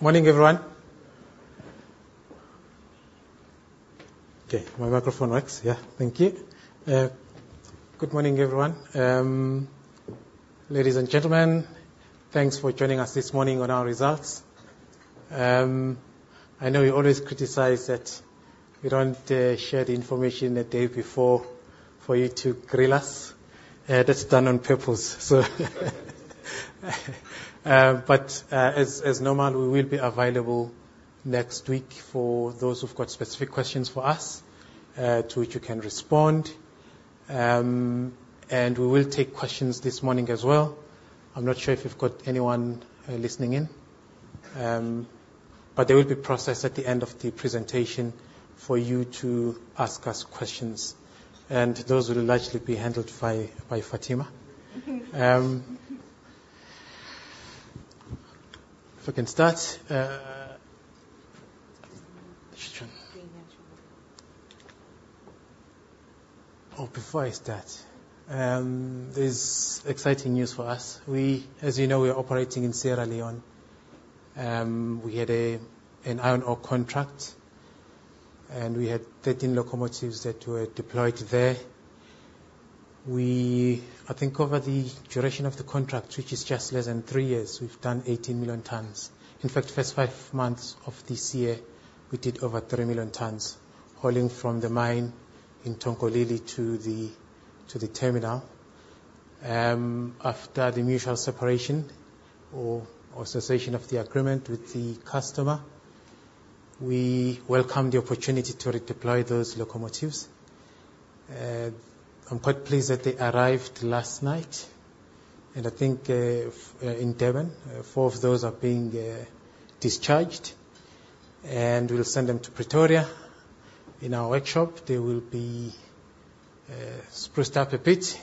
Morning, everyone. Okay, my microphone works. Yeah. Thank you. Good morning, everyone. Ladies and gentlemen, thanks for joining us this morning on our results. I know you always criticize that we don't share the information the day before for you to grill us. That's done on purpose. But as normal, we will be available next week for those who've got specific questions for us, to which we can respond. We will take questions this morning as well. I'm not sure if you've got anyone listening in, but there will be process at the end of the presentation for you to ask us questions, and those will largely be handled by Fathima. If we can start. Just a minute. Bring it. Oh, before I start, there's exciting news for us. As you know, we are operating in Sierra Leone. We had an iron ore contract, we had 13 locomotives that were deployed there. I think over the duration of the contract, which is just less than three years, we've done 18 million tonnes. In fact, first five months of this year, we did over 3 million tonnes hauling from the mine in Tonkolili to the terminal. After the mutual separation or cessation of the agreement with the customer, we welcome the opportunity to redeploy those locomotives. I'm quite pleased that they arrived last night, I think in Durban, four of those are being discharged, and we'll send them to Pretoria in our workshop. They will be spruced up a bit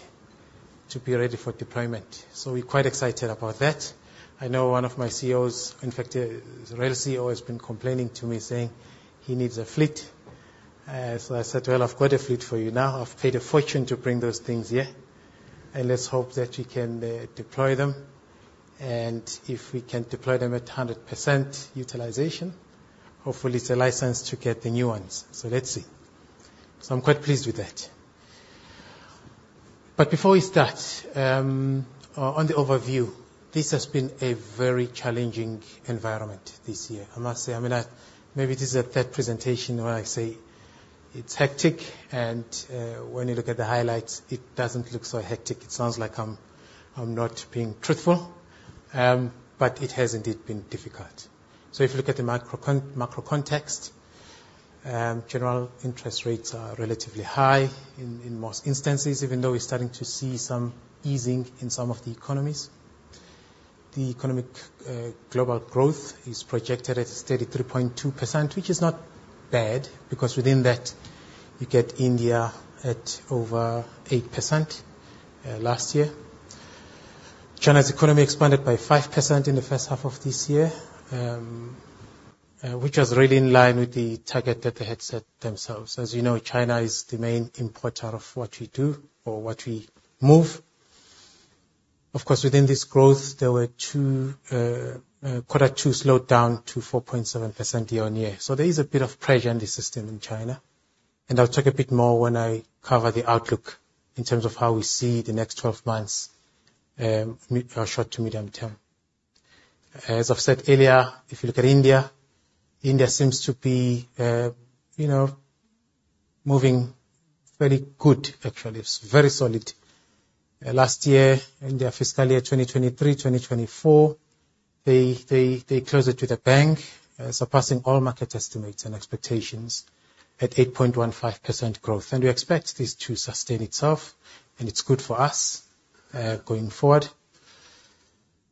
to be ready for deployment. We're quite excited about that. I know one of my COs, in fact, the rail CO has been complaining to me, saying he needs a fleet. I said, "Well, I've got a fleet for you now. I've paid a fortune to bring those things here, let's hope that we can deploy them, if we can deploy them at 100% utilization, hopefully it's a license to get the new ones." Let's see. I'm quite pleased with that. Before we start, on the overview, this has been a very challenging environment this year. I must say. Maybe this is the third presentation where I say it's hectic when you look at the highlights, it doesn't look so hectic. It sounds like I'm not being truthful, but it has indeed been difficult. If you look at the macro context, general interest rates are relatively high in most instances, even though we're starting to see some easing in some of the economies. The economic global growth is projected at a steady 3.2%, which is not bad, because within that you get India at over 8% last year. China's economy expanded by 5% in the first half of this year, which was really in line with the target that they had set themselves. As you know, China is the main importer of what we do or what we move. Of course, within this growth, quarter two slowed down to 4.7% year-on-year. There is a bit of pressure in the system in China, I'll talk a bit more when I cover the outlook in terms of how we see the next 12 months, short to medium term. As I've said earlier, if you look at India seems to be moving very good, actually. It's very solid. Last year, India fiscal year 2023, 2024, they closed it with a bang, surpassing all market estimates and expectations at 8.15% growth. We expect this to sustain itself, and it's good for us going forward.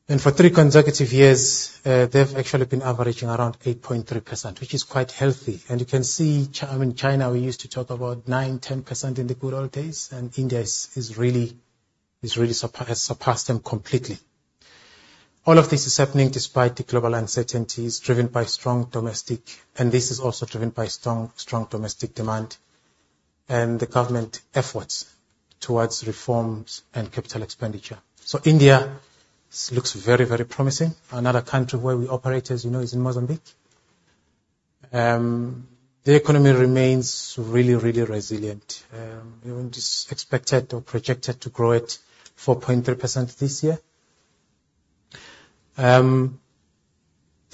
For three consecutive years, they've actually been averaging around 8.3%, which is quite healthy. You can see, I mean, China, we used to talk about 9%, 10% in the good old days, and India has really surpassed them completely. All of this is happening despite the global uncertainties, and this is also driven by strong domestic demand and the government efforts towards reforms and capital expenditure. India looks very promising. Another country where we operate, as you know, is in Mozambique. The economy remains really resilient. It is expected or projected to grow at 4.3% this year. The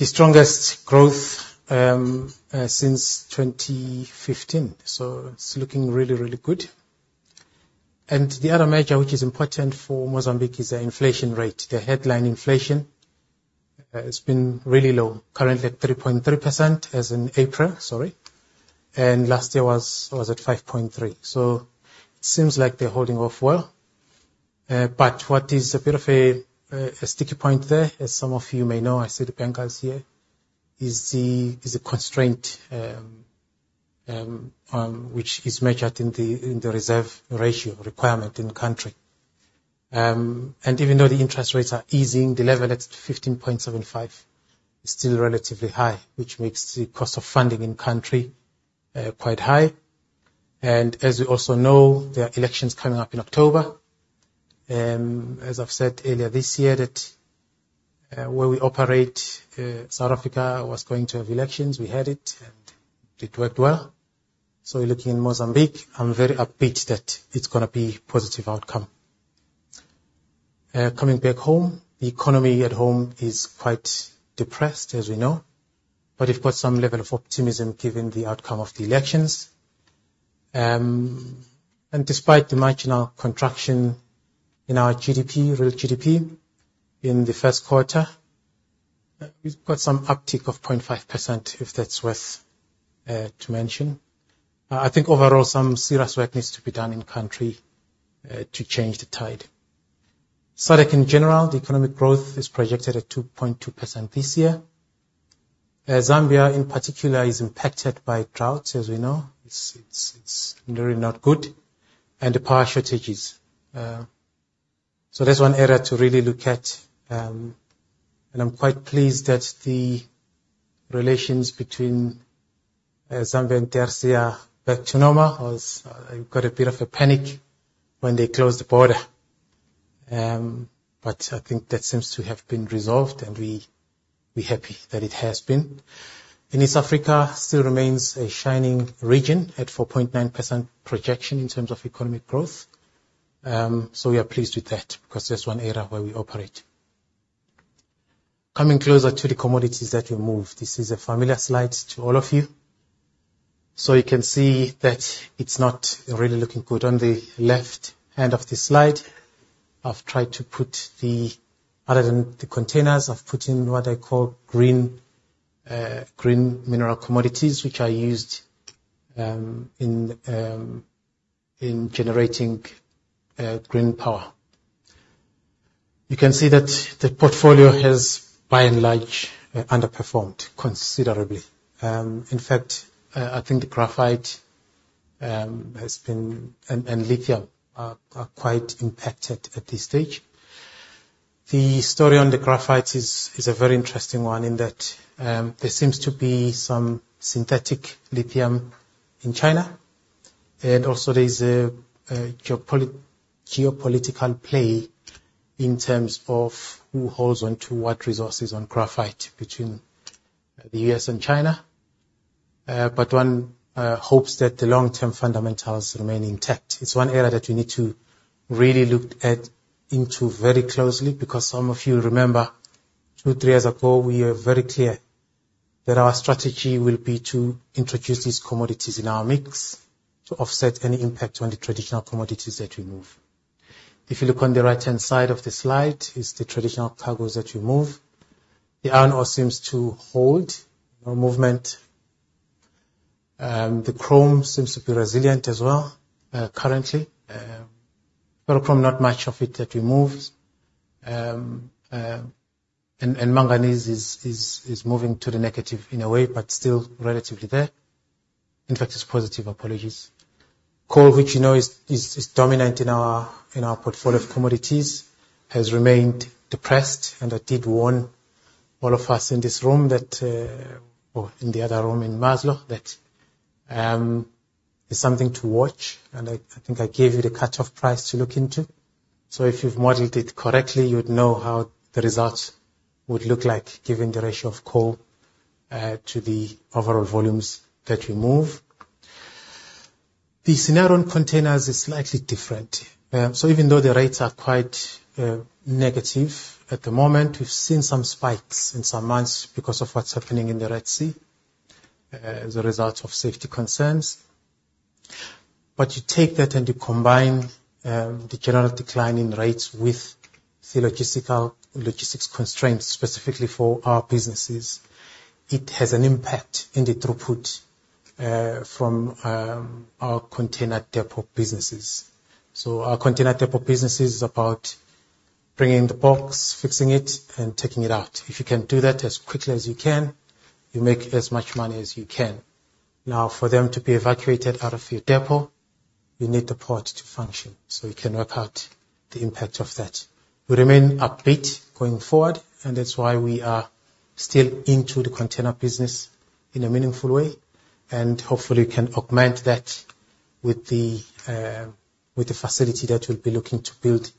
strongest growth since 2015. It's looking really good. The other major, which is important for Mozambique is their inflation rate. Their headline inflation has been really low, currently at 3.3% as in April, sorry. Last year was at 5.3%. It seems like they're holding off well. What is a bit of a sticky point there, as some of you may know, I see the bankers here, is the constraint, which is measured in the reserve ratio requirement in country. Even though the interest rates are easing, the level at 15.75% is still relatively high, which makes the cost of funding in country quite high. As we also know, there are elections coming up in October. As I've said earlier this year, that where we operate, South Africa was going to have elections. We had it, and it worked well. We're looking in Mozambique, I'm very upbeat that it's going to be positive outcome. Coming back home, the economy at home is quite depressed, as we know, but we've got some level of optimism given the outcome of the elections. Despite the marginal contraction in our real GDP in the first quarter, we've got some uptick of 0.5%, if that's worth to mention. I think overall, some serious work needs to be done in country to change the tide. SADC in general, the economic growth is projected at 2.2% this year. Zambia in particular is impacted by droughts, as we know. It's really not good, and the power shortages. That's one area to really look at, and I'm quite pleased that the relations between Zambia and DRC are back to normal. We got a bit of a panic when they closed the border. I think that seems to have been resolved, and we're happy that it has been. East Africa still remains a shining region at 4.9% projection in terms of economic growth. We are pleased with that because that's one area where we operate. Coming closer to the commodities that we move. This is a familiar slide to all of you. You can see that it's not really looking good. On the left-hand of the slide, other than the containers, I've put in what I call green mineral commodities, which are used in generating green power. You can see that the portfolio has by and large, underperformed considerably. In fact, I think the graphite and lithium are quite impacted at this stage. The story on the graphite is a very interesting one in that there seems to be some synthetic lithium in China, and also there is a geopolitical play in terms of who holds onto what resources on graphite between the U.S. and China. One hopes that the long-term fundamentals remain intact. It is one area that we need to really look into very closely, because some of you remember two, three years ago, we were very clear that our strategy will be to introduce these commodities in our mix to offset any impact on the traditional commodities that we move. If you look on the right-hand side of the slide, is the traditional cargoes that we move. The iron ore seems to hold, no movement. The chrome seems to be resilient as well, currently. Ferrochrome, not much of it that we move. Manganese is moving to the negative in a way, but still relatively there. In fact, it is positive, apologies. Coal, which you know is dominant in our portfolio of commodities, has remained depressed, and I did warn all of us in this room, or in the other room in Maslow, that it is something to watch, and I think I gave you the cutoff price to look into. If you have modelled it correctly, you would know how the results would look like given the ratio of coal, to the overall volumes that we move. The scenario on containers is slightly different. Even though the rates are quite negative at the moment, we have seen some spikes in some months because of what is happening in the Red Sea, as a result of safety concerns. You take that and you combine the general decline in rates with the logistics constraints specifically for our businesses, it has an impact in the throughput from our container depot businesses. Our container depot business is about bringing the box, fixing it, and taking it out. If you can do that as quickly as you can, you make as much money as you can. Now, for them to be evacuated out of your depot, you need the port to function, so we can work out the impact of that. We remain upbeat going forward, and that is why we are still into the container business in a meaningful way, and hopefully we will be looking to build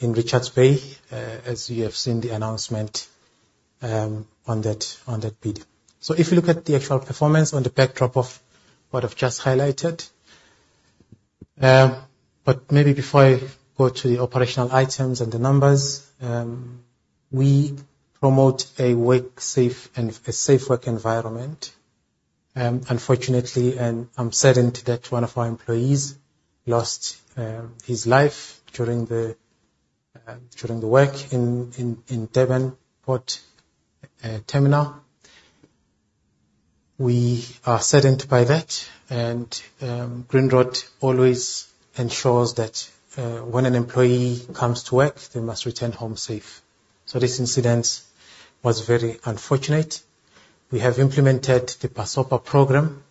in Richards Bay, as you have seen the announcement on that bid. If you look at the actual performance on the backdrop of what I have just highlighted. Maybe before I go to the operational items and the numbers, we promote a safe work environment. Unfortunately, I am saddened that one of our employees lost his life during the work in Durban Port Terminal. We are saddened by that, and Grindrod always ensures that when an employee comes to work, they must return home safe. This incident was very unfortunate. We have implemented the PASOPA program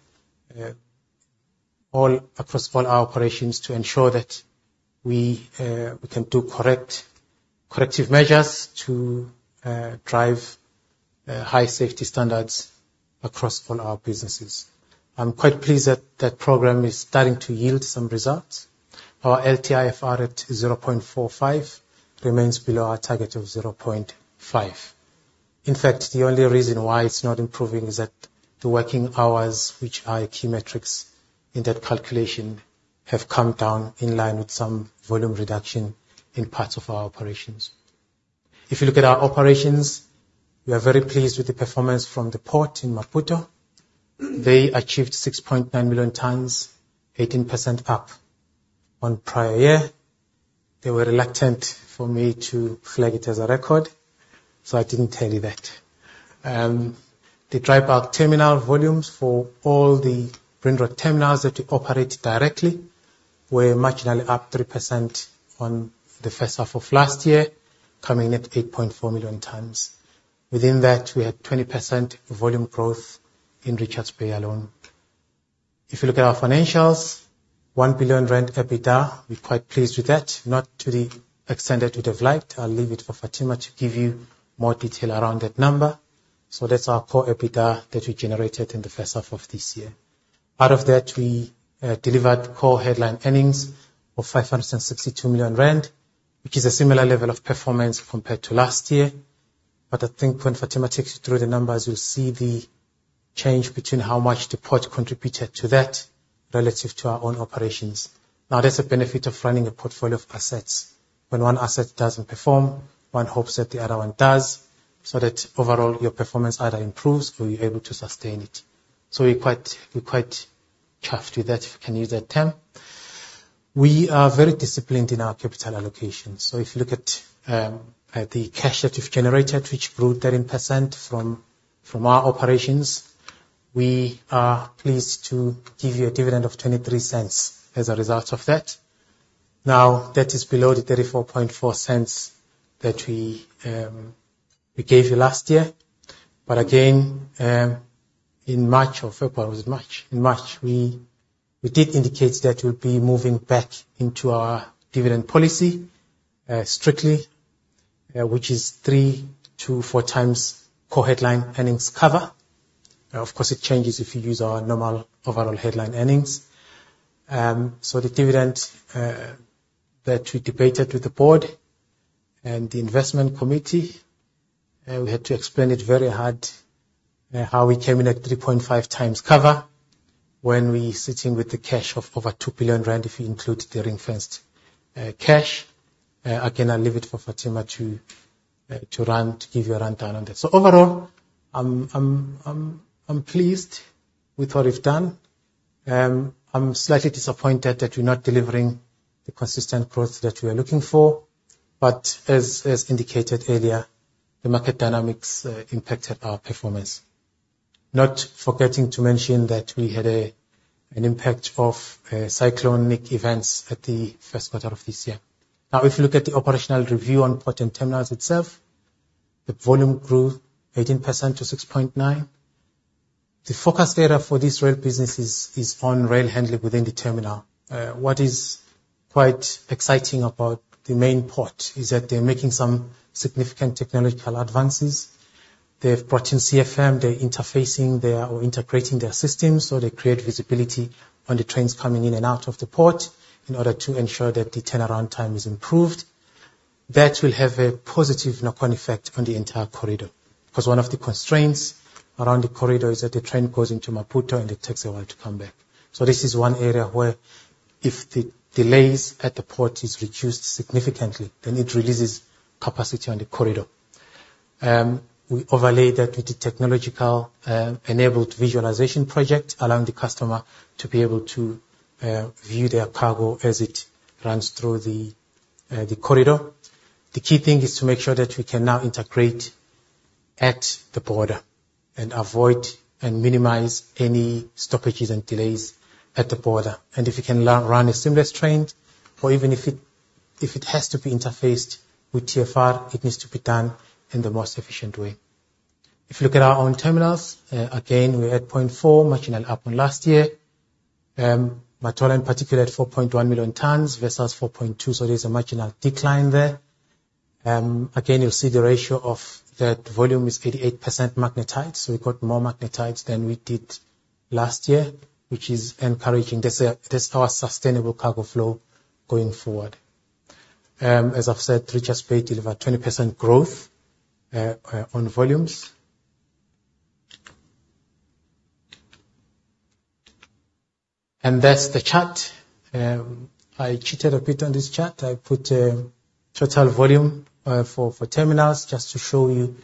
across all our operations to ensure that we can do corrective measures to drive high safety standards across all our businesses. I am quite pleased that that program is starting to yield some results. Our LTIFR at 0.45 remains below our target of 0.5. The only reason why it's not improving is that the working hours, which are key metrics in that calculation, have come down in line with some volume reduction in parts of our operations. If you look at our operations, we are very pleased with the performance from the port in Maputo. They achieved 6.9 million tonnes, 18% up on prior year. They were reluctant for me to flag it as a record, so I didn't tell you that. The dry bulk terminal volumes for all the Grindrod terminals that we operate directly were marginally up 3% on the first half of last year, coming at 8.4 million tonnes. Within that, we had 20% volume growth in Richards Bay alone. If you look at our financials, 1 billion rand EBITDA, we're quite pleased with that. Not to the extent that we'd have liked. I'll leave it for Fathima to give you more detail around that number. That's our core EBITDA that we generated in the first half of this year. Out of that, we delivered core headline earnings of 562 million rand, which is a similar level of performance compared to last year. I think when Fathima takes you through the numbers, you'll see the change between how much the port contributed to that relative to our own operations. That's a benefit of running a portfolio of assets. When one asset doesn't perform, one hopes that the other one does, so that overall your performance either improves or you're able to sustain it. We're quite chuffed with that, if I can use that term. We are very disciplined in our capital allocation. If you look at the cash that we've generated, which grew 13% from our operations, we are pleased to give you a dividend of 0.23 as a result of that. That is below the 0.344 that we gave you last year. Again, in March or February, was it March? In March, we did indicate that we'll be moving back into our dividend policy strictly, which is three to four times core headline earnings cover. Of course, it changes if you use our normal overall headline earnings. The dividend that we debated with the board and the investment committee, we had to explain it very hard how we came in at 3.5 times cover when we're sitting with the cash of over 2 billion rand if you include the ring-fenced cash. I'll leave it for Fathima to give you a rundown on that. Overall, I'm pleased with what we've done. I'm slightly disappointed that we're not delivering the consistent growth that we are looking for, as indicated earlier, the market dynamics impacted our performance. Not forgetting to mention that we had an impact of cyclonic events at the first quarter of this year. If you look at the operational review on port and terminals itself, the volume grew 18% to 6.9. The focus area for this rail business is on rail handling within the terminal. What is quite exciting about the main port is that they're making some significant technological advances. They've brought in CFM. They're interfacing or integrating their systems, so they create visibility on the trains coming in and out of the port in order to ensure that the turnaround time is improved. That will have a positive knock-on effect on the entire corridor. One of the constraints around the corridor is that the train goes into Maputo and it takes a while to come back. This is one area where if the delays at the port is reduced significantly, then it releases capacity on the corridor. We overlay that with the technological-enabled visualization project, allowing the customer to be able to view their cargo as it runs through the corridor. The key thing is to make sure that we can now integrate at the border and avoid and minimize any stoppages and delays at the border. If we can run a seamless train or even if it has to be interfaced with TFR, it needs to be done in the most efficient way. If you look at our own terminals, again, we're at 0.4, marginally up on last year. Matola in particular at 4.1 million tonnes versus 4.2, there's a marginal decline there. Again, you'll see the ratio of that volume is 88% magnetite, so we've got more magnetite than we did last year, which is encouraging. That's our sustainable cargo flow going forward. As I've said, Richards Bay delivered 20% growth on volumes. That's the chart. I cheated a bit on this chart. I put total volume for terminals just to show you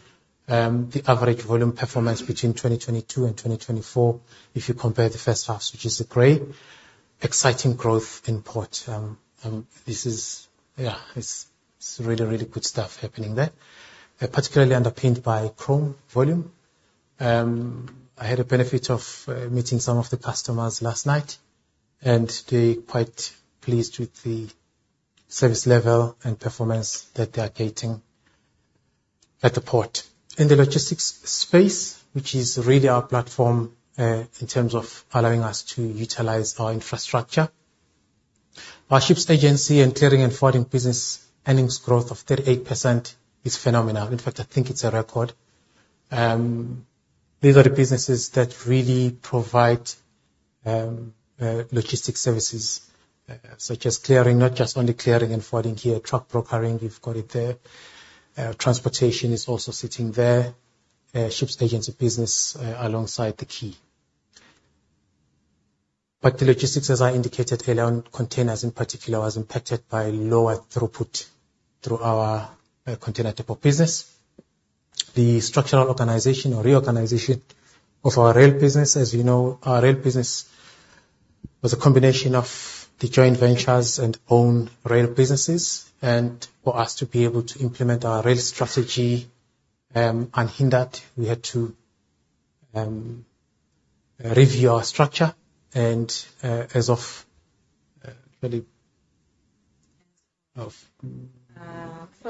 the average volume performance between 2022 and 2024, if you compare the first halves, which is the gray. Exciting growth in port. It's really good stuff happening there. Particularly underpinned by chrome volume. I had a benefit of meeting some of the customers last night, and they're quite pleased with the service level and performance that they are getting at the port. In the logistics space, which is really our platform, in terms of allowing us to utilize our infrastructure. Our ships agency and clearing and forwarding business earnings growth of 38% is phenomenal. In fact, I think it's a record. These are the businesses that really provide logistic services, such as clearing, not just only clearing and forwarding here, truck brokering, we've got it there. Transportation is also sitting there. Ships agency business, alongside the key. The logistics, as I indicated earlier on, containers in particular, was impacted by lower throughput through our container depot business. The structural organization or reorganization of our rail business. As you know, our rail business was a combination of the joint ventures and owned rail businesses. For us to be able to implement our rail strategy unhindered, we had to review our structure, and as of early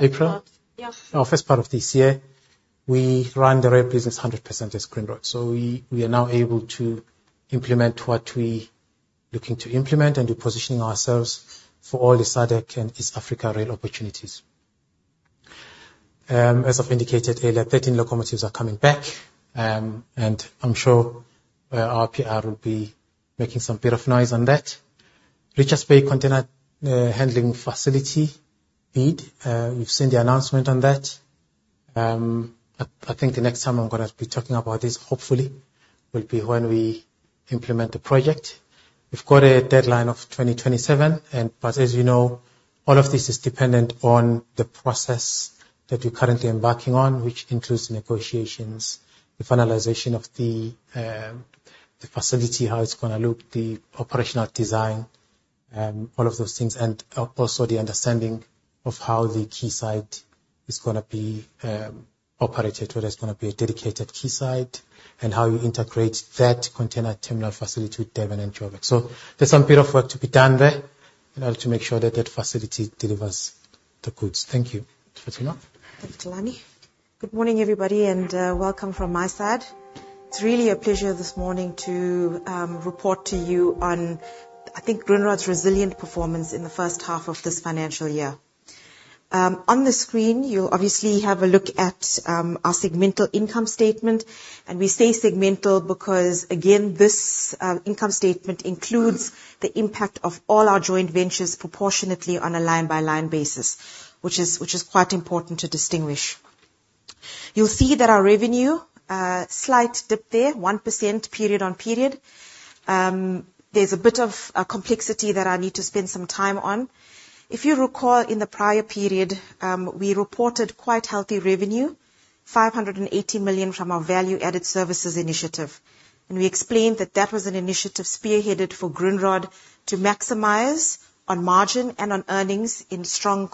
April. Yeah. Our first part of this year, we run the rail business 100% as Grindrod. We are now able to implement what we're looking to implement and we're positioning ourselves for all the SADC and East Africa rail opportunities. As I've indicated earlier, 13 locomotives are coming back, and I'm sure our PR will be making some bit of noise on that. Richards Bay container handling facility bid, you've seen the announcement on that. I think the next time I'm gonna be talking about this, hopefully, will be when we implement the project. We've got a deadline of 2027, as you know, all of this is dependent on the process that we're currently embarking on, which includes negotiations, the finalization of the facility, how it's gonna look, the operational design, all of those things. Also the understanding of how the quayside is going to be operated, whether it's going to be a dedicated quayside and how you integrate that container terminal facility with Durban and Joburg. So there's some bit of work to be done there in order to make sure that that facility delivers the goods. Thank you. Fathima. Thank you, Xolani. Good morning, everybody, and welcome from my side. It's really a pleasure this morning to report to you on, I think Grindrod's resilient performance in the first half of this financial year. On the screen, you'll obviously have a look at our segmental income statement. We say segmental because, again, this income statement includes the impact of all our joint ventures proportionately on a line-by-line basis, which is quite important to distinguish. You'll see that our revenue, slight dip there, 1% period on period. There's a bit of a complexity that I need to spend some time on. If you recall, in the prior period, we reported quite healthy revenue, 580 million from our value-added services initiative. We explained that that was an initiative spearheaded for Grindrod to maximize on margin and on earnings in the strong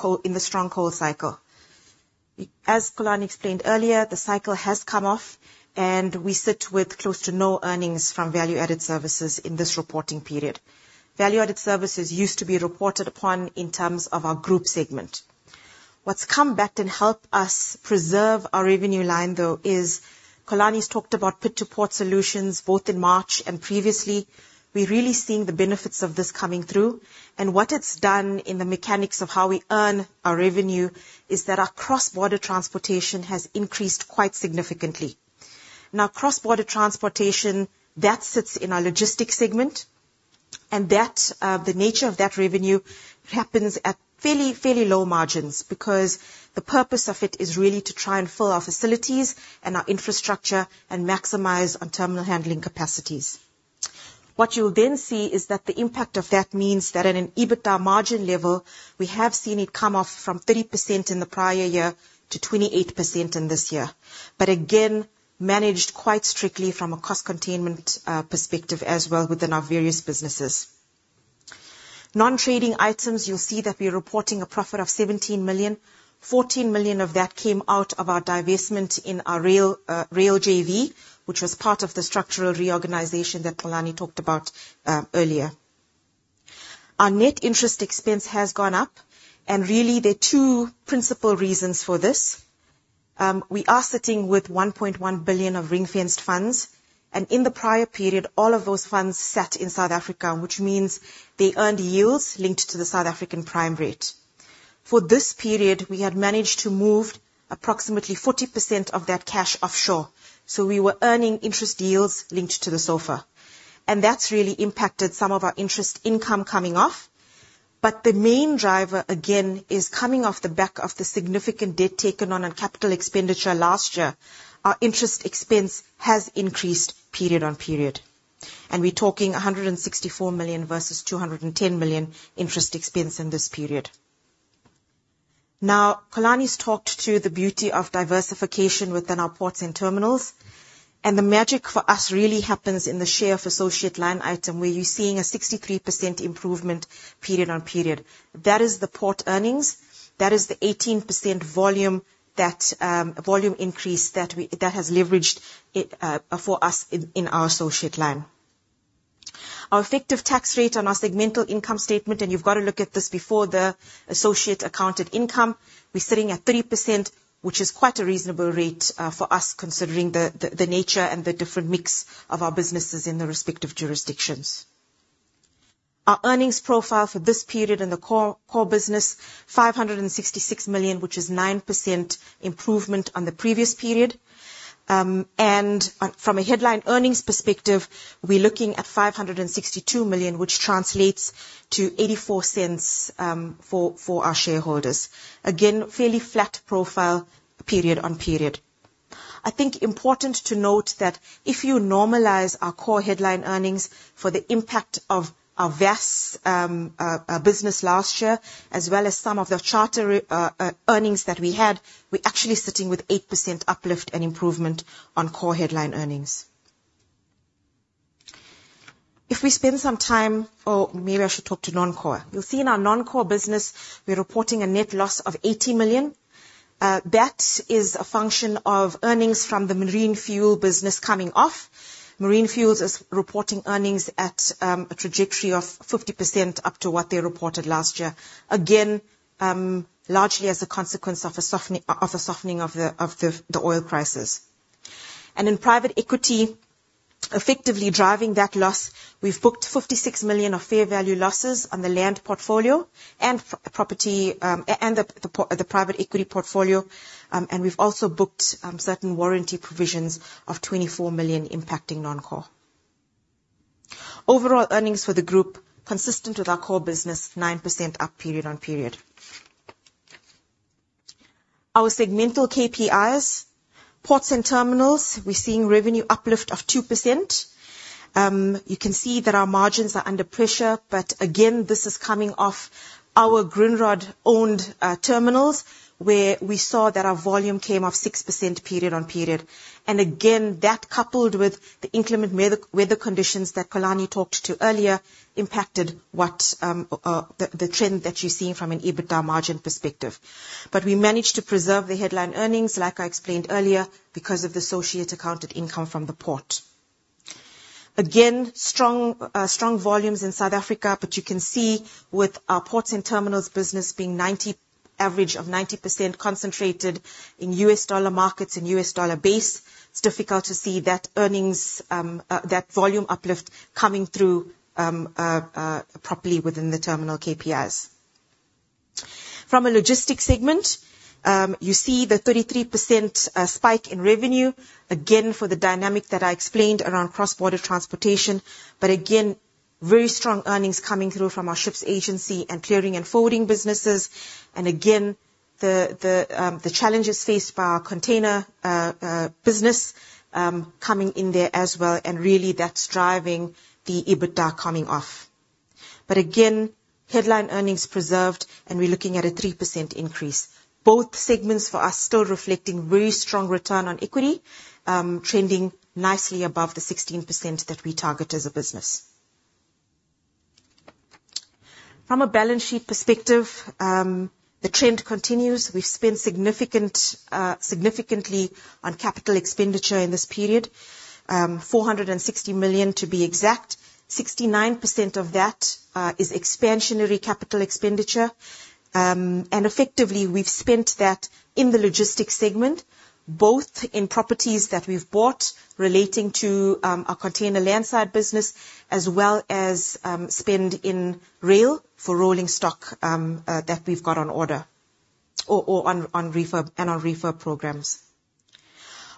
coal cycle. As Xolani explained earlier, the cycle has come off, and we sit with close to no earnings from value-added services in this reporting period. Value-added services used to be reported upon in terms of our group segment. What's come back and help us preserve our revenue line, though, is Xolani's talked about port-to-port solutions, both in March and previously. We're really seeing the benefits of this coming through. What it's done in the mechanics of how we earn our revenue is that our cross-border transportation has increased quite significantly. Now, cross-border transportation, that sits in our logistics segment, and the nature of that revenue happens at fairly low margins because the purpose of it is really to try and fill our facilities and our infrastructure and maximize on terminal handling capacities. What you'll then see is that the impact of that means that at an EBITDA margin level, we have seen it come off from 30% in the prior year to 28% in this year. Again, managed quite strictly from a cost containment perspective as well within our various businesses. Non-trading items, you'll see that we're reporting a profit of 17 million, 14 million of that came out of our divestment in our rail JV, which was part of the structural reorganization that Xolani talked about earlier. Our net interest expense has gone up, and really there are two principal reasons for this. We are sitting with 1.1 billion of ring-fenced funds, and in the prior period, all of those funds sat in South Africa, which means they earned yields linked to the South African prime rate. We had managed to move approximately 40% of that cash offshore. We were earning interest yields linked to the SOFR. That's really impacted some of our interest income coming off. The main driver, again, is coming off the back of the significant debt taken on our capital expenditure last year. Our interest expense has increased period on period. We're talking 164 million versus 210 million interest expense in this period. Xolani's talked to the beauty of diversification within our ports and terminals. The magic for us really happens in the share of associate line item, where you're seeing a 63% improvement period on period. That is the port earnings. That is the 18% volume increase that has leveraged for us in our associate line. Our effective tax rate on our segmental income statement, you've got to look at this before the associate accounted income. We're sitting at 3%, which is quite a reasonable rate for us, considering the nature and the different mix of our businesses in the respective jurisdictions. Our earnings profile for this period in the core business, 566 million, which is 9% improvement on the previous period. From a headline earnings perspective, we're looking at 562 million, which translates to 0.84 for our shareholders. Again, fairly flat profile period on period. I think important to note that if you normalize our core headline earnings for the impact of our VAS business last year, as well as some of the charter earnings that we had, we're actually sitting with 8% uplift and improvement on core headline earnings. If we spend some time, or maybe I should talk to non-core. You'll see in our non-core business, we're reporting a net loss of 80 million. That is a function of earnings from the marine fuel business coming off. Marine fuels is reporting earnings at a trajectory of 50% up to what they reported last year. Again, largely as a consequence of a softening of the oil prices. In private equity, effectively driving that loss, we've booked 56 million of fair value losses on the land portfolio and the private equity portfolio. We've also booked certain warranty provisions of 24 million impacting non-core. Overall earnings for the group, consistent with our core business, 9% up period on period. Our segmental KPIs, ports and terminals, we're seeing revenue uplift of 2%. You can see that our margins are under pressure, again, this is coming off our Grindrod owned terminals, where we saw that our volume came off 6% period on period. Again, that coupled with the inclement weather conditions that Xolani talked to earlier, impacted the trend that you're seeing from an EBITDA margin perspective. We managed to preserve the headline earnings, like I explained earlier, because of the associate accounted income from the port. Strong volumes in South Africa, you can see with our ports and terminals business being average of 90% concentrated in U.S. dollar markets and U.S. dollar base, it's difficult to see that volume uplift coming through properly within the terminal KPIs. From a logistics segment, you see the 33% spike in revenue, again, for the dynamic that I explained around cross-border transportation. Again, very strong earnings coming through from our ships agency and clearing and forwarding businesses. Again, the challenges faced by our container business coming in there as well and really that's driving the EBITDA coming off. Again, headline earnings preserved, and we're looking at a 3% increase. Both segments for us still reflecting very strong return on equity, trending nicely above the 16% that we target as a business. From a balance sheet perspective, the trend continues. We've spent significantly on capital expenditure in this period, 460 million to be exact. 69% of that is expansionary capital expenditure. Effectively, we've spent that in the logistics segment, both in properties that we've bought relating to our container landside business, as well as spend in rail for rolling stock that we've got on order or on refurb programs.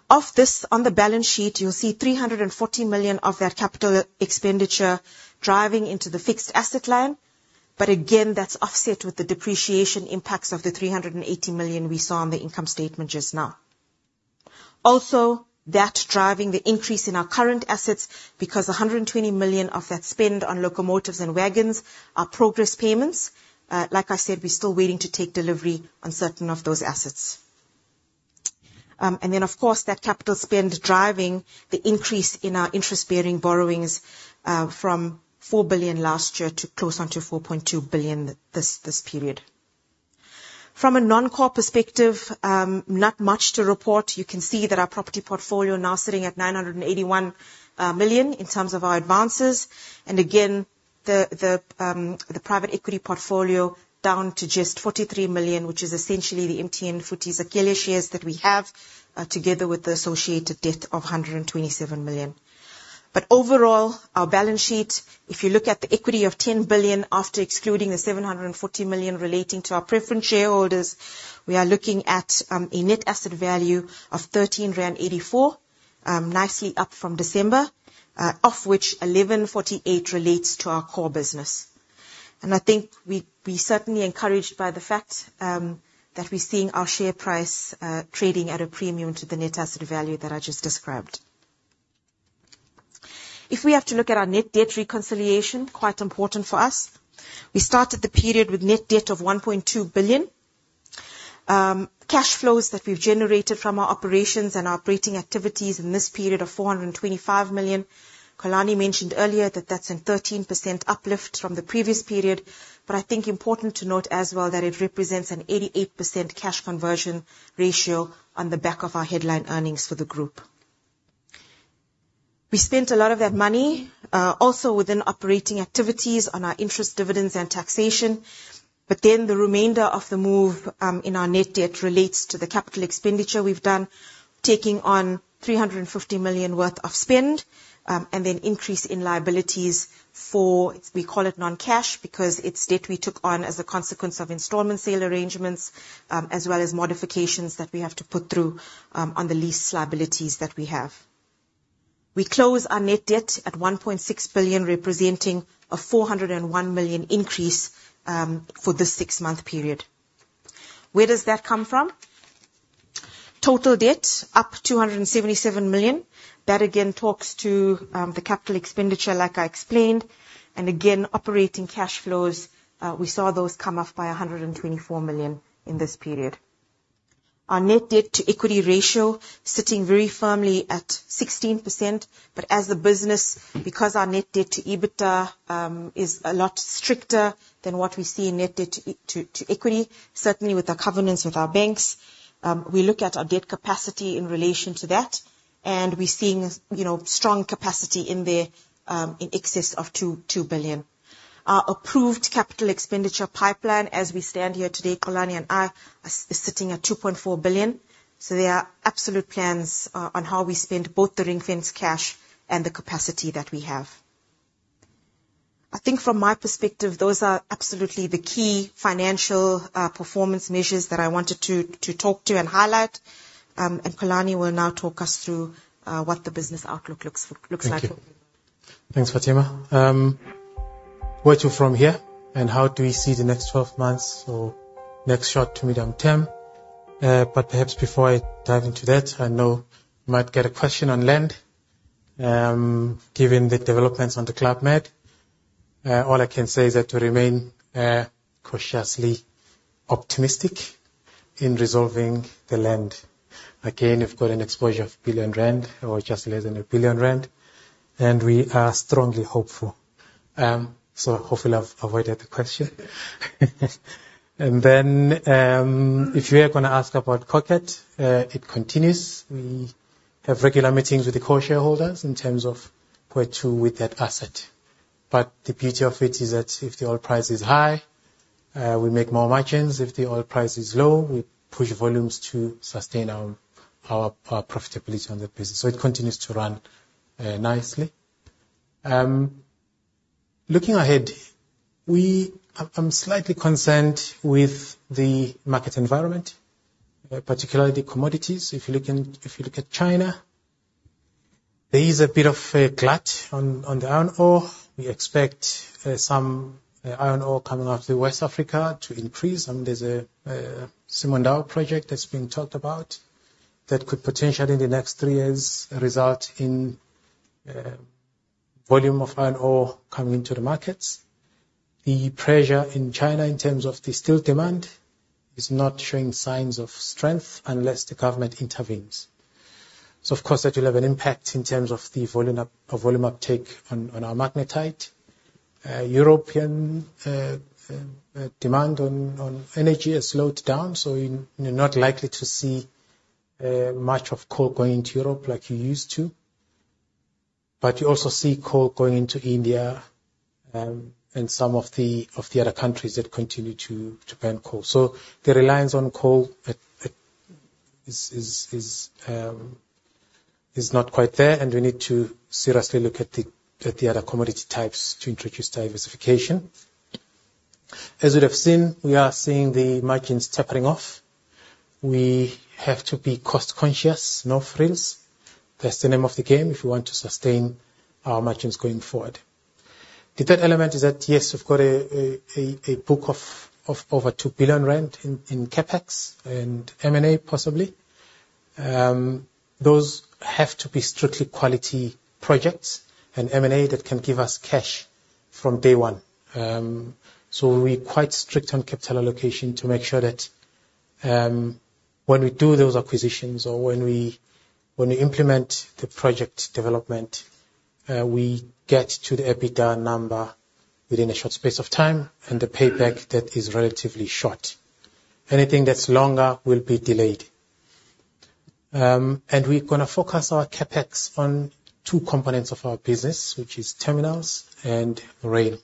Of this, on the balance sheet, you'll see 340 million of that capital expenditure driving into the fixed asset line. Again, that's offset with the depreciation impacts of the 380 million we saw on the income statement just now. Also, that's driving the increase in our current assets because 120 million of that spend on locomotives and wagons are progress payments. Like I said, we're still waiting to take delivery on certain of those assets. Then, of course, that capital spend driving the increase in our interest-bearing borrowings from 4 billion last year to close onto 4.2 billion this period. From a non-core perspective, not much to report. You can see that our property portfolio now sitting at 981 million in terms of our advances. Again, the private equity portfolio down to just 43 million, which is essentially the MTN, Footies, Aquila shares that we have, together with the associated debt of 127 million. Overall, our balance sheet, if you look at the equity of 10 billion after excluding the 740 million relating to our preference shareholders, we are looking at a net asset value of 13.84 rand, nicely up from December, of which 11.48 relates to our core business. I think we're certainly encouraged by the fact that we're seeing our share price trading at a premium to the net asset value that I just described. If we have to look at our net debt reconciliation, quite important for us. We started the period with net debt of 1.2 billion. Cash flows that we've generated from our operations and our operating activities in this period of 425 million. Xolani mentioned earlier that that's a 13% uplift from the previous period, I think important to note as well that it represents an 88% cash conversion ratio on the back of our headline earnings for the group. We spent a lot of that money, also within operating activities on our interest, dividends, and taxation. The remainder of the move in our net debt relates to the capital expenditure we've done, taking on 350 million worth of spend. Then increase in liabilities for, we call it non-cash, because it's debt we took on as a consequence of installment sale arrangements, as well as modifications that we have to put through on the lease liabilities that we have. We close our net debt at 1.6 billion, representing a 401 million increase for the six-month period. Where does that come from? Total debt up 277 million. That again talks to the capital expenditure like I explained. Again, operating cash flows, we saw those come off by 124 million in this period. Our net debt-to-equity ratio sitting very firmly at 16%. As the business, because our net debt to EBITDA is a lot stricter than what we see in net debt to equity, certainly with our covenants with our banks, we look at our debt capacity in relation to that, and we're seeing strong capacity in there in excess of 2 billion. Our approved capital expenditure pipeline, as we stand here today, Xolani and I, is sitting at 2.4 billion. There are absolute plans on how we spend both the ring-fenced cash and the capacity that we have. I think from my perspective, those are absolutely the key financial performance measures that I wanted to talk to and highlight. Xolani will now talk us through what the business outlook looks like. Thank you. Thanks, Fathima. Where to from here, how do we see the next 12 months or next short to medium term? Perhaps before I dive into that, I know we might get a question on land, given the developments on the Club Med. All I can say is that we remain cautiously optimistic in resolving the land. Again, we've got an exposure of 1 billion rand, or just less than 1 billion rand, and we are strongly hopeful. Hopefully I've avoided the question. Then, if you are gonna ask about Cockett, it continues. We have regular meetings with the core shareholders in terms of where to with that asset. The beauty of it is that if the oil price is high, we make more margins. If the oil price is low, we push volumes to sustain our profitability on that business. It continues to run nicely. Looking ahead, I'm slightly concerned with the market environment, particularly commodities. If you look at China, there is a bit of a glut on the iron ore. We expect some iron ore coming out of West Africa to increase, there's a Simandou project that's being talked about that could potentially, in the next three years, result in volume of iron ore coming into the markets. The pressure in China in terms of the steel demand is not showing signs of strength unless the government intervenes. Of course, that will have an impact in terms of volume uptake on our magnetite. European demand on energy has slowed down, you're not likely to see much of coal going into Europe like you used to. You also see coal going into India, and some of the other countries that continue to burn coal. The reliance on coal is not quite there, we need to seriously look at the other commodity types to introduce diversification. As you'd have seen, we are seeing the margins tapering off. We have to be cost-conscious, no frills. That's the name of the game if we want to sustain our margins going forward. The third element is that, yes, we've got a book of over 2 billion rand in CapEx and M&A possibly. Those have to be strictly quality projects and M&A that can give us cash from day one. We're quite strict on capital allocation to make sure that when we do those acquisitions or when we implement the project development, we get to the EBITDA number within a short space of time and the payback that is relatively short. Anything that's longer will be delayed. We're going to focus our CapEx on two components of our business, which is terminals and rail.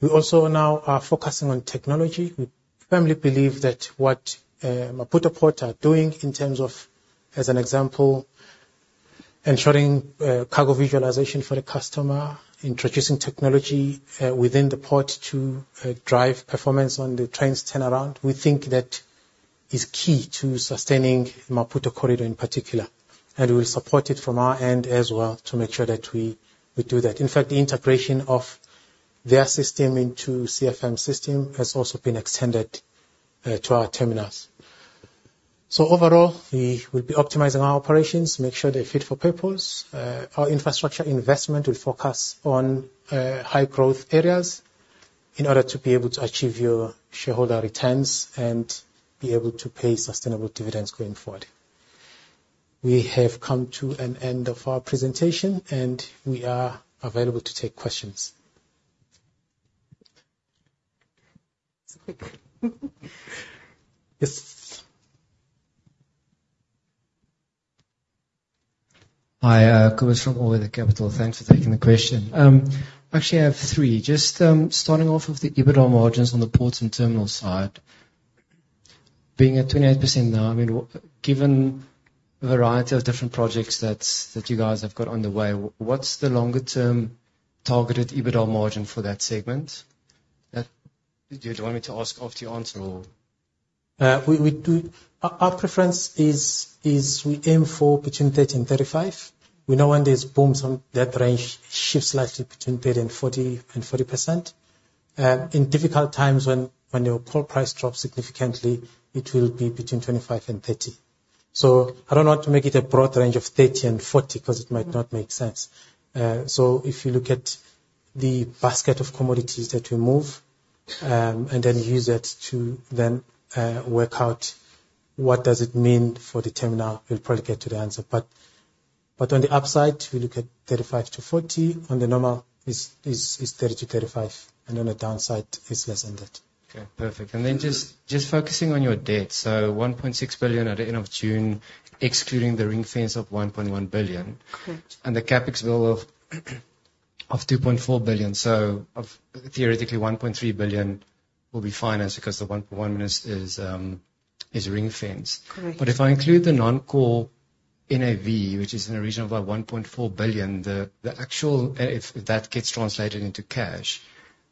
We also now are focusing on technology. We firmly believe that what Maputo Port are doing in terms of, as an example, ensuring cargo visualization for the customer, introducing technology within the port to drive performance on the trains' turnaround, we think that is key to sustaining Maputo Corridor in particular. We're supported from our end as well to make sure that we do that. In fact, the integration of their system into CFM system has also been extended to our terminals. Overall, we'll be optimizing our operations, make sure they're fit for purpose. Our infrastructure investment will focus on high growth areas in order to be able to achieve your shareholder returns and be able to pay sustainable dividends going forward. We have come to an end of our presentation, we are available to take questions. Yes. Hi, Cobus from All Weather Capital. Thanks for taking the question. Actually, I have three. Just starting off with the EBITDA margins on the ports and terminals side. Being at 28% now, given the variety of different projects that you guys have got underway, what's the longer-term targeted EBITDA margin for that segment? Do you want me to ask after you answer, or? Our preference is we aim for between 30% and 35%. We know when there's booms on that range, it shifts slightly between 30% and 40%. In difficult times when your core price drops significantly, it will be between 25% and 30%. I don't want to make it a broad range of 30% and 40% because it might not make sense. If you look at the basket of commodities that we move, and then use that to then work out what does it mean for the terminal, we'll probably get to the answer. But on the upside, we look at 35%-40%. On the normal, it's 30%-35%, and on the downside, it's less than that. Okay, perfect. Then just focusing on your debt. 1.6 billion at the end of June, excluding the ring-fence of 1.1 billion. Correct. The CapEx bill of 2.4 billion. Theoretically, 1.3 billion will be financed because the 1.1 billion is ring-fenced. Correct. If I include the non-core NAV, which is in the region of 1.4 billion, the actual, if that gets translated into cash,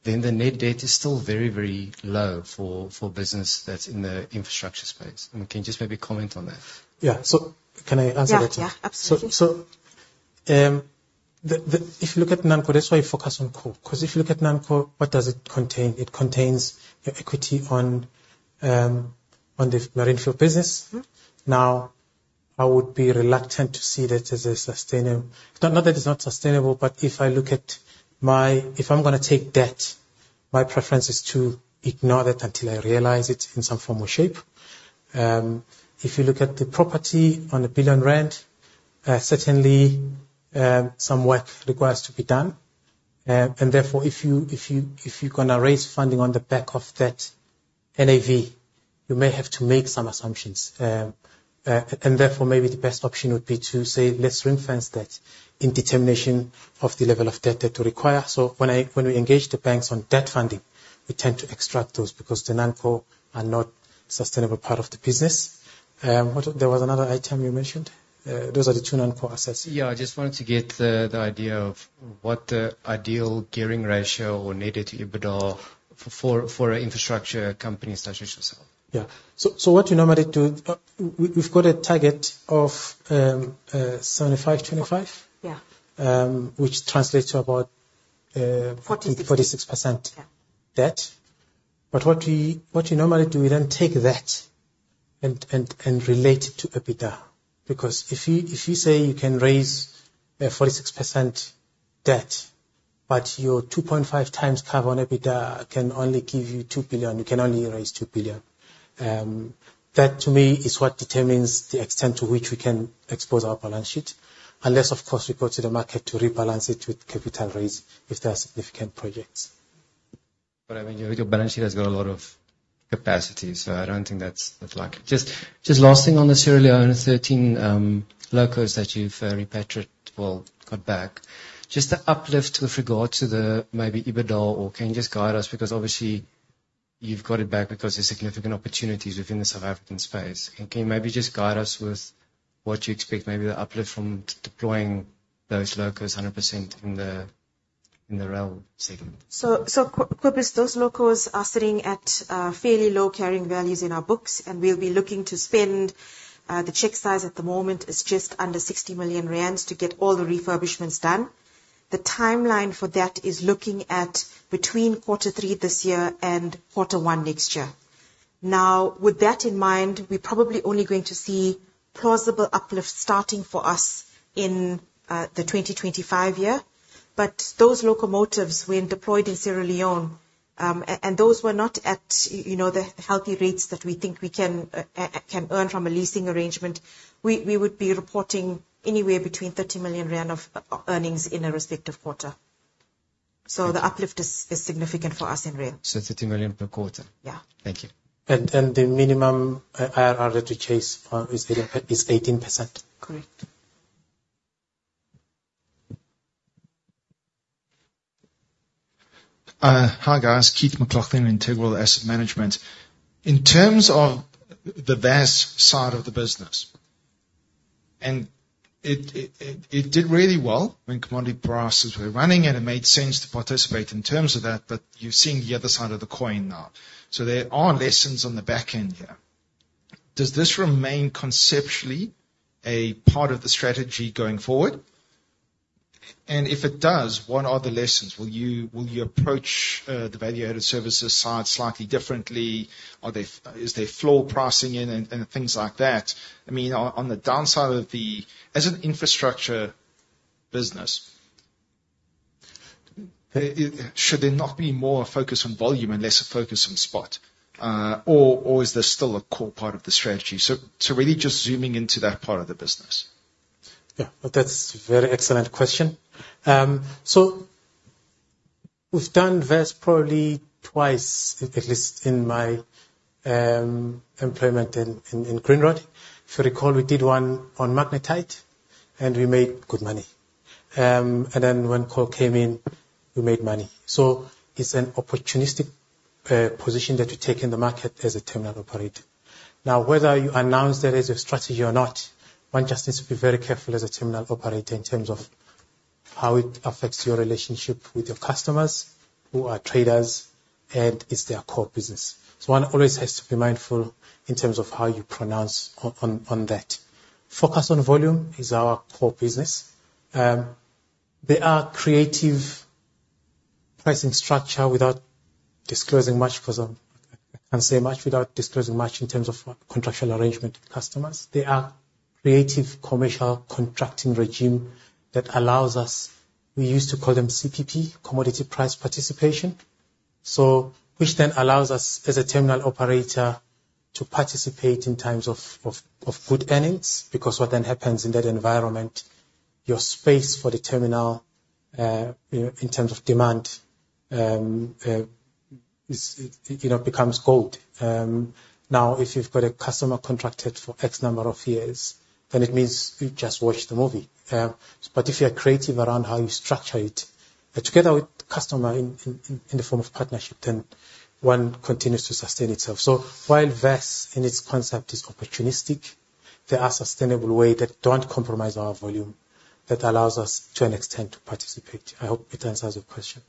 the net debt is still very low for business that's in the infrastructure space. Can you just maybe comment on that? Yeah. Can I answer that? Yeah, absolutely. If you look at non-core, that's why you focus on core, because if you look at non-core, what does it contain? It contains equity on the marine fuel business. I would be reluctant to see that as a sustainable Not that it's not sustainable, but if I'm going to take debt, my preference is to ignore that until I realize it in some form or shape. If you look at the property on the 1 billion rand, certainly, some work requires to be done. Therefore, if you're going to raise funding on the back of that NAV, you may have to make some assumptions. Therefore, maybe the best option would be to say, let's ring-fence that in determination of the level of debt that you require. When we engage the banks on debt funding, we tend to extract those, because the non-core are not a sustainable part of the business. There was another item you mentioned. Those are the two non-core assets. Yeah, I just wanted to get the idea of what the ideal gearing ratio or net debt to EBITDA for an infrastructure company such as yourself? Yeah. What you normally do, we've got a target of 75, 25. Yeah. Which translates to about. 46 46% debt. Yeah. We normally do, we then take that and relate it to EBITDA. Because if you say you can raise a 46% debt, your 2.5x cover on EBITDA can only give you 2 billion, you can only raise 2 billion. That, to me, is what determines the extent to which we can expose our balance sheet. Unless, of course, we go to the market to rebalance it with capital raise if there are significant projects. Your balance sheet has got a lot of capacity, so I don't think that's likely. Just last thing on the Sierra Leone, 13 locos that you've repatriated, got back. Just the uplift with regard to the maybe EBITDA, or can you just guide us? Because obviously you've got it back because there's significant opportunities within the South African space. Can you maybe just guide us with what you expect, maybe the uplift from deploying those locos 100% in the rail segment. Cobus, those locos are sitting at fairly low carrying values in our books, and we'll be looking to spend, the check size at the moment is just under 60 million rand to get all the refurbishments done. The timeline for that is looking at between quarter three this year and quarter one next year. With that in mind, we're probably only going to see plausible uplift starting for us in the 2025 year. Those locomotives, when deployed in Sierra Leone, and those were not at the healthy rates that we think we can earn from a leasing arrangement, we would be reporting anywhere between 30 million rand of earnings in a respective quarter. The uplift is significant for us in rail. 30 million per quarter. Yeah. Thank you. The minimum IRR that we chase for is 18%. Correct. Hi, guys. Keith McLachlan, Integral Asset Management. In terms of the VAS side of the business, and it did really well when commodity prices were running, and it made sense to participate in terms of that, but you're seeing the other side of the coin now. There are lessons on the back end here. Does this remain conceptually a part of the strategy going forward? If it does, what are the lessons? Will you approach the value-added services side slightly differently? Is there floor pricing in and things like that? On the downside, as an infrastructure business, should there not be more focus on volume and less focus on spot? Is this still a core part of the strategy? Really just zooming into that part of the business. Yeah. That's a very excellent question. We've done VAS probably twice, at least, in my employment in Grindrod. If you recall, we did one on magnetite, and we made good money. Then when coal came in, we made money. It's an opportunistic position that we take in the market as a terminal operator. Whether you announce that as a strategy or not, one just needs to be very careful as a terminal operator in terms of how it affects your relationship with your customers who are traders, and it's their core business. One always has to be mindful in terms of how you pronounce on that. Focus on volume is our core business. There are creative pricing structure without disclosing much, because I can't say much without disclosing much in terms of contractual arrangement with customers. There are creative commercial contracting regime that allows us, we used to call them CPP, commodity price participation, which then allows us as a terminal operator to participate in times of good earnings, because what then happens in that environment, your space for the terminal, in terms of demand, becomes gold. Now, if you've got a customer contracted for X number of years, it means you just watch the movie. If you are creative around how you structure it, together with customer in the form of partnership, one continues to sustain itself. While VAS, in its concept, is opportunistic, there are sustainable way that don't compromise our volume, that allows us, to an extent, to participate. I hope it answers your question.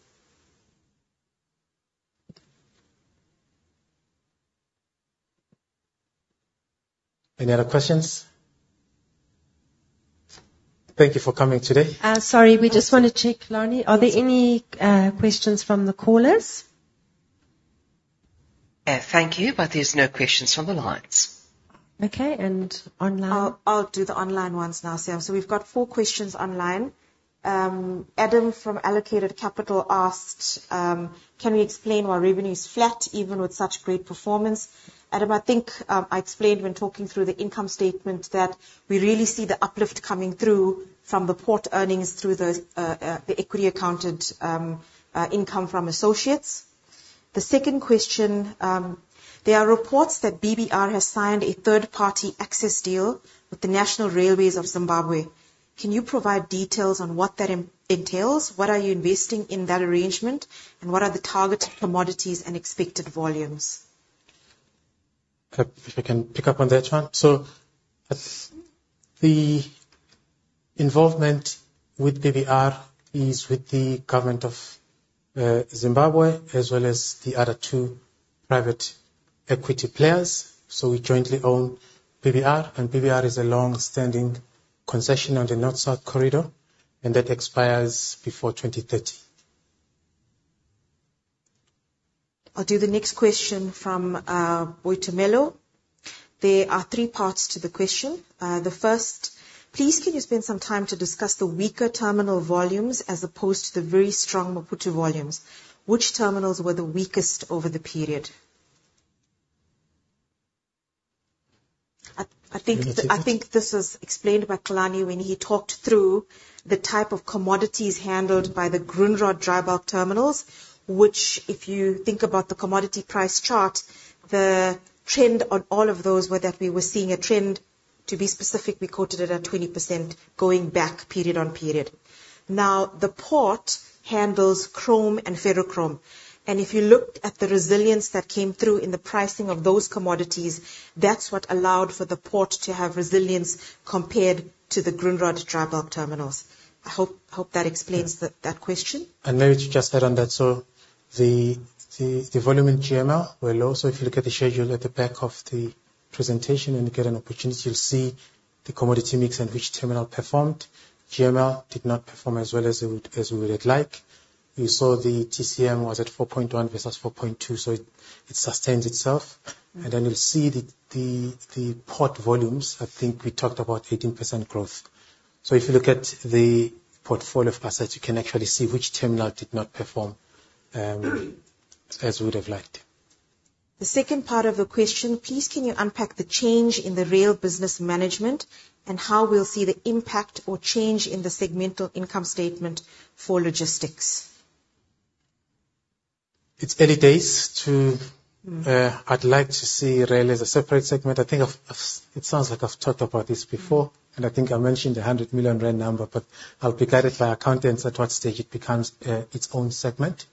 Any other questions? Thank you for coming today. Sorry, we just want to check, Lani, are there any questions from the callers? Thank you, there's no questions from the lines. Okay. I'll do the online ones now, Sam. We've got four questions online. Adam from Allocated Capital asked, "Can we explain why revenue is flat even with such great performance?" Adam, I think I explained when talking through the income statement that we really see the uplift coming through from the port earnings through the equity accounted income from associates. The second question, "There are reports that BBR has signed a third-party access deal with the National Railways of Zimbabwe. Can you provide details on what that entails? What are you investing in that arrangement, and what are the target commodities and expected volumes? If I can pick up on that one. The involvement with BBR is with the government of Zimbabwe as well as the other two private equity players. We jointly own BBR, and BBR is a long-standing concession on the North-South Corridor, and that expires before 2030. I'll do the next question from Boitamelo. There are three parts to the question. The first, "Please, can you spend some time to discuss the weaker terminal volumes as opposed to the very strong Maputo volumes? Which terminals were the weakest over the period?" I think this was explained by Xolani when he talked through the type of commodities handled by the Grindrod dry bulk terminals, which, if you think about the commodity price chart, the trend on all of those were that we were seeing a trend, to be specific, we quoted it at 20% going back period on period. The port handles chrome and ferrochrome, and if you looked at the resilience that came through in the pricing of those commodities, that's what allowed for the port to have resilience compared to the Grindrod dry bulk terminals. I hope that explains that question. Maybe to just add on that, the volume in GML were low. If you look at the schedule at the back of the presentation and you get an opportunity, you'll see the commodity mix and which terminal performed. GML did not perform as well as we would like. We saw the TCM was at 4.1 versus 4.2, it sustains itself. You'll see the port volumes, I think we talked about 18% growth. If you look at the portfolio of assets, you can actually see which terminal did not perform as we would have liked. The second part of the question, "Please, can you unpack the change in the rail business management and how we'll see the impact or change in the segmental income statement for logistics. It's early days. I'd like to see rail as a separate segment. I think it sounds like I've talked about this before. I think I mentioned the 100 million rand number. I'll be guided by our accountants at what stage it becomes its own segment.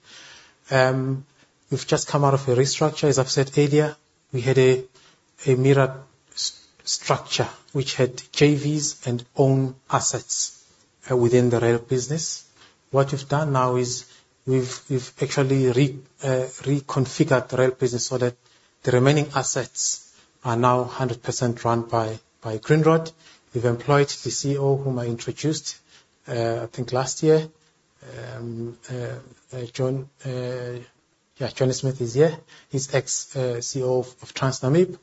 We've just come out of a restructure, as I've said earlier. We had a mirror structure, which had JVs and own assets within the rail business. What we've done now is we've actually reconfigured the rail business so that the remaining assets are now 100% run by Grindrod. We've employed the CEO, whom I introduced, I think last year. Yeah, Johny Smith is here. He's ex-CEO of TransNamib.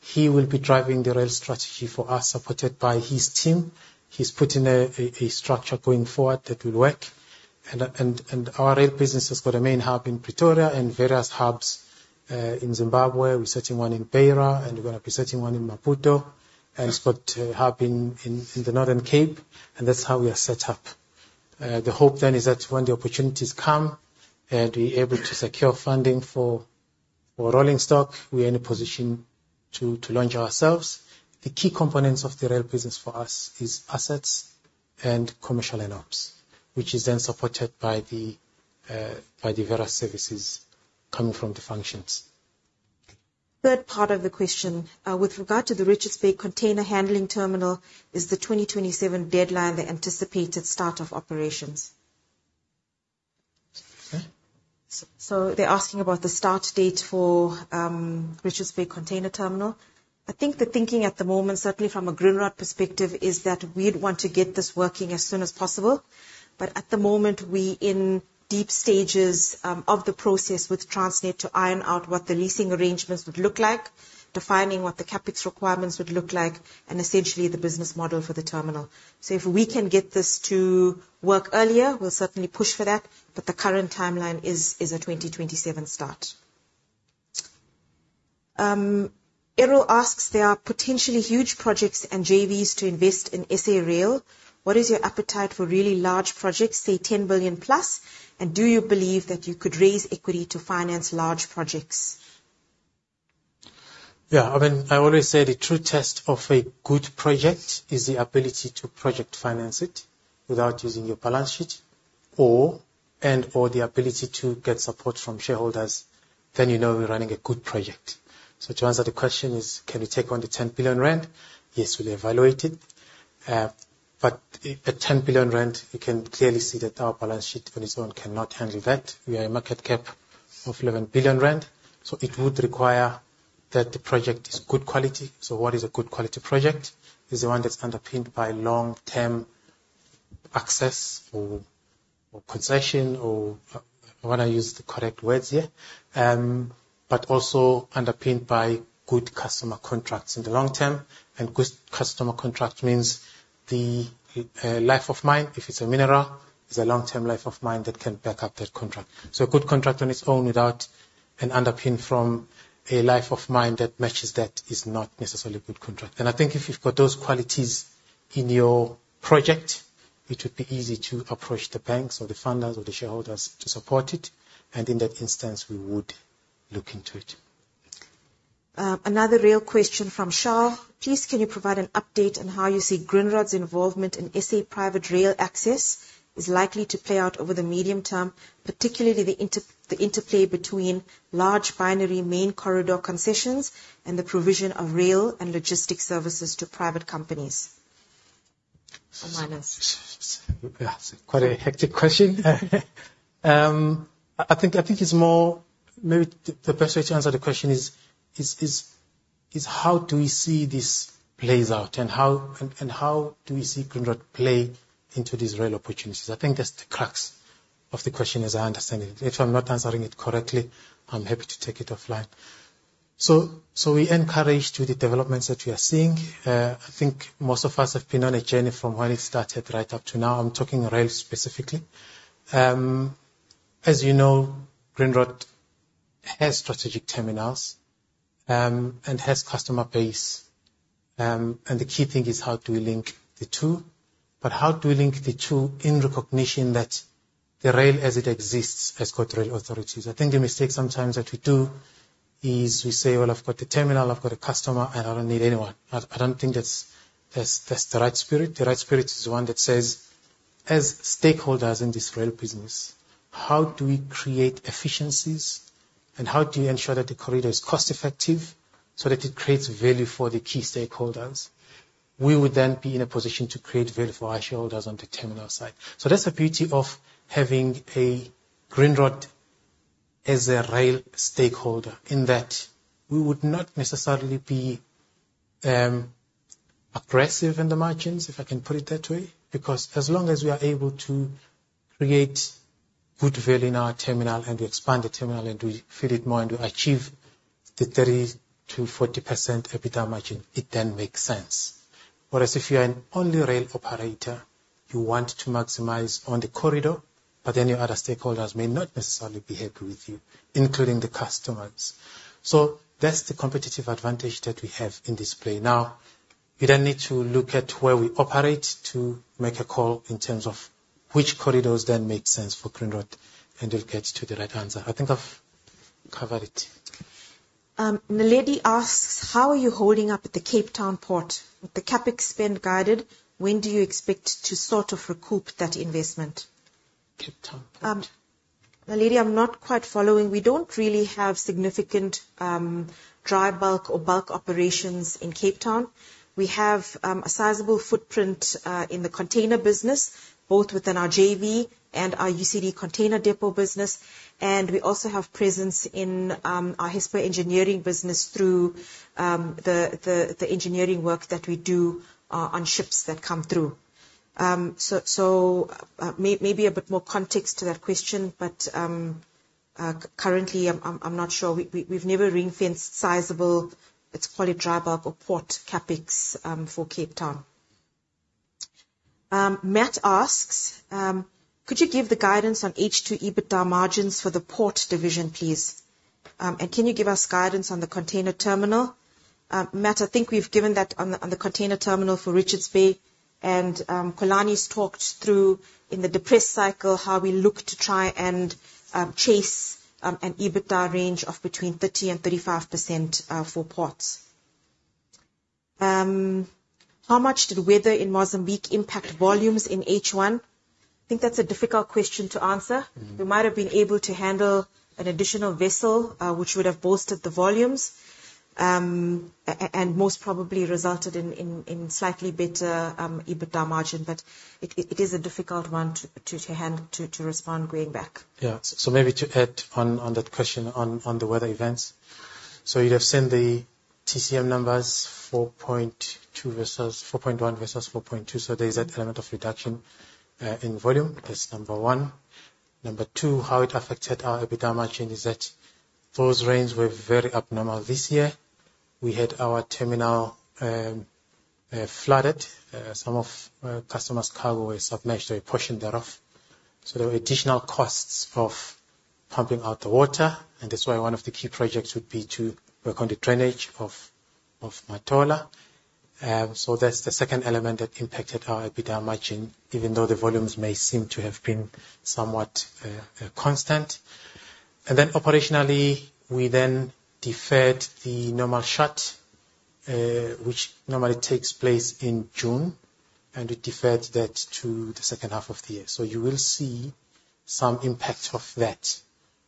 He will be driving the rail strategy for us, supported by his team. He's putting a structure going forward that will work. Our rail business has got a main hub in Pretoria and various hubs, in Zimbabwe. We're setting one in Beira, and we're gonna be setting one in Maputo, and we've got a hub in the Northern Cape, and that's how we are set up. The hope then is that when the opportunities come, we're able to secure funding for rolling stock, we are in a position to launch ourselves. The key components of the rail business for us is assets and commercial in-ops, which is then supported by the various services coming from the functions. Third part of the question. With regard to the Richards Bay container handling terminal, is the 2027 deadline the anticipated start of operations? Huh? They're asking about the start date for Richards Bay Container Terminal. I think the thinking at the moment, certainly from a Grindrod perspective, is that we'd want to get this working as soon as possible. At the moment, we're in deep stages of the process with Transnet to iron out what the leasing arrangements would look like, defining what the CapEx requirements would look like, and essentially the business model for the terminal. If we can get this to work earlier, we'll certainly push for that. The current timeline is a 2027 start. Errol asks, "There are potentially huge projects and JVs to invest in SA Rail. What is your appetite for really large projects, say 10 billion plus? Do you believe that you could raise equity to finance large projects? I always say the true test of a good project is the ability to project finance it without using your balance sheet, and/or the ability to get support from shareholders, then you know you're running a good project. To answer the question is, can we take on the 10 billion rand? Yes, we'll evaluate it. At 10 billion rand, you can clearly see that our balance sheet on its own cannot handle that. We are a market cap of 11 billion rand. It would require that the project is good quality. What is a good quality project? Is the one that's underpinned by long-term access or concession or I want to use the correct words here. Also underpinned by good customer contracts in the long term. Good customer contract means the life of mine, if it's a mineral, is a long-term life of mine that can back up that contract. A good contract on its own, without an underpin from a life of mine that matches that, is not necessarily a good contract. I think if you've got those qualities in your project, it would be easy to approach the banks or the funders or the shareholders to support it. In that instance, we would look into it. Another rail question from Shaw. "Please can you provide an update on how you see Grindrod's involvement in SA private rail access is likely to play out over the medium term, particularly the interplay between large binary main corridor concessions and the provision of rail and logistics services to private companies or miners. Yeah. It's quite a hectic question. I think maybe the best way to answer the question is how do we see this plays out, and how do we see Grindrod play into these rail opportunities? I think that's the crux of the question as I understand it. If I'm not answering it correctly, I'm happy to take it offline. We're encouraged with the developments that we are seeing. I think most of us have been on a journey from when it started right up to now. I'm talking rail specifically. As you know, Grindrod has strategic terminals, and has customer base. The key thing is how do we link the two. How do we link the two in recognition that the rail as it exists has got rail authorities. I think the mistake sometimes that we do is we say, "Well, I've got a terminal, I've got a customer, and I don't need anyone." I don't think that's the right spirit. The right spirit is the one that says, as stakeholders in this rail business, how do we create efficiencies, and how do you ensure that the corridor is cost-effective so that it creates value for the key stakeholders. We would then be in a position to create value for our shareholders on the terminal side. That's the beauty of having a Grindrod as a rail stakeholder, in that we would not necessarily be aggressive in the margins, if I can put it that way. As long as we are able to create good value in our terminal, and we expand the terminal, and we fill it more, and we achieve the 30%-40% EBITDA margin, it makes sense. Whereas if you are an only rail operator, you want to maximize on the corridor, your other stakeholders may not necessarily be happy with you, including the customers. That's the competitive advantage that we have in this play. Now, we then need to look at where we operate to make a call in terms of which corridors then make sense for Grindrod, it gets to the right answer. I think I've covered it. Naledi asks, "How are you holding up at the Cape Town port? With the CapEx spend guided, when do you expect to sort of recoup that investment? Cape Town port. Naledi, I'm not quite following. We don't really have significant dry bulk or bulk operations in Cape Town. We have a sizable footprint in the container business, both within our JV and our UCD container depot business. We also have presence in our Hesper Engineering business through the engineering work that we do on ships that come through. Maybe a bit more context to that question. Currently, I'm not sure. We've never ring-fenced sizable, let's call it dry bulk or port CapEx, for Cape Town. Matt asks, "Could you give the guidance on H2 EBITDA margins for the port division, please? Can you give us guidance on the container terminal?" Matt, I think we've given that on the container terminal for Richards Bay, Xolani's talked through in the depressed cycle how we look to try and chase an EBITDA range of between 30%-35% for ports. How much did weather in Mozambique impact volumes in H1? I think that's a difficult question to answer. We might have been able to handle an additional vessel, which would have boosted the volumes, and most probably resulted in slightly better EBITDA margin. It is a difficult one to respond going back. Maybe to add on that question on the weather events. You'd have seen the TCM numbers, 4.1 versus 4.2. There is that element of reduction in volume. That's number one. Number two, how it affected our EBITDA margin is that those rains were very abnormal this year. We had our terminal flooded. Some of customer's cargo was submerged, a portion thereof. There were additional costs of pumping out the water, and that's why one of the key projects would be to work on the drainage of Matola. That's the second element that impacted our EBITDA margin, even though the volumes may seem to have been somewhat constant. Operationally, we then deferred the normal shut, which normally takes place in June, and we deferred that to the second half of the year. You will see some impact of that.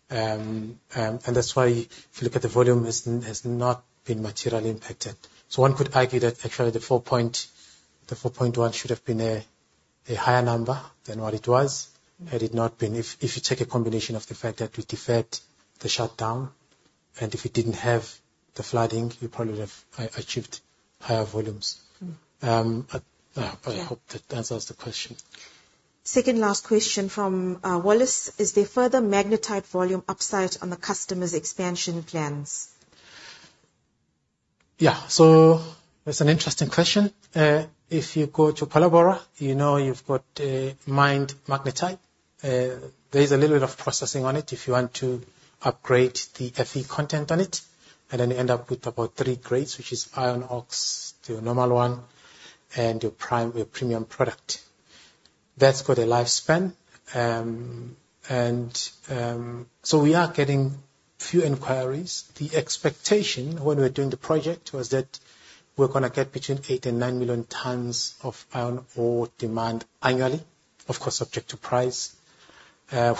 That's why if you look at the volume, it has not been materially impacted. One could argue that actually the 4.1 should have been a higher number than what it was, had it not been. If you take a combination of the fact that we deferred the shutdown, and if we didn't have the flooding, we probably would have achieved higher volumes. I hope that answers the question. Second last question from Wallace. Is there further magnetite volume upside on the customer's expansion plans? That's an interesting question. If you go to Palabora, you know you've got mined magnetite. There is a little bit of processing on it if you want to upgrade the Fe content on it. You end up with about 3 grades, which is iron ox, your normal one, and your premium product. That's got a lifespan. We are getting few inquiries. The expectation when we were doing the project was that we're gonna get between 8 million-9 million tons of iron ore demand annually, of course, subject to price,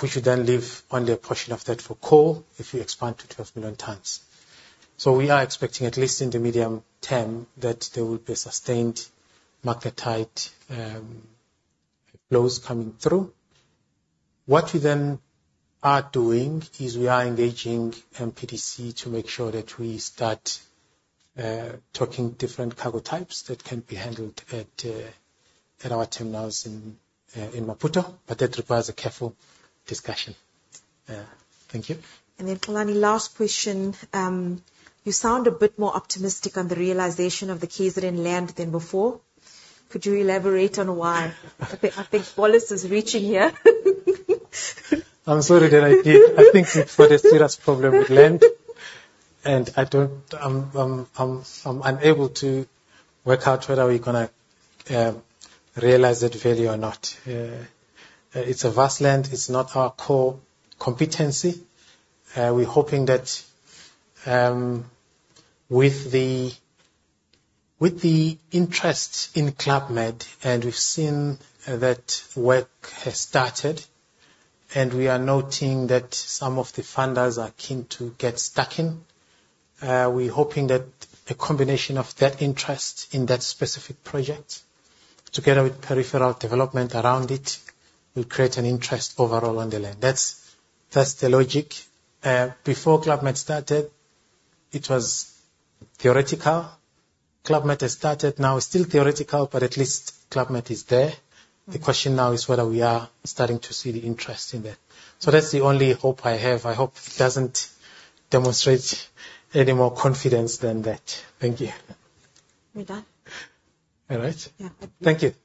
which we then leave only a portion of that for coal if we expand to 12 million tons. We are expecting, at least in the medium term, that there will be sustained magnetite flows coming through. What we then are doing is we are engaging MPDC to make sure that we start talking different cargo types that can be handled at our terminals in Maputo, that requires a careful discussion. Thank you. Xolani, last question. You sound a bit more optimistic on the realization of the Kaserne land than before. Could you elaborate on why? I think Wallace is reaching here. I'm sorry that I did. I think we've got a serious problem with land. I'm unable to work out whether we're gonna realize that value or not. It's a vast land. It's not our core competency. We're hoping that with the interest in Club Med, we've seen that work has started, we are noting that some of the funders are keen to get stuck in. We're hoping that a combination of that interest in that specific project, together with peripheral development around it, will create an interest overall on the land. That's the logic. Before Club Med started, it was theoretical. Club Med has started now. It's still theoretical, at least Club Med is there. The question now is whether we are starting to see the interest in there. That's the only hope I have. I hope it doesn't demonstrate any more confidence than that. Thank you. We're done. All right. Yeah. Thank you.